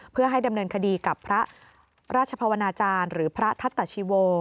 เพื่อให้ดำเนินคดีกับพระราชภาวนาจารย์หรือพระทัตตชีโว